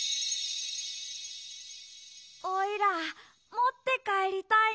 おいらもってかえりたいな。